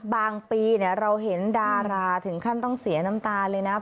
ปีเราเห็นดาราถึงขั้นต้องเสียน้ำตาเลยนะ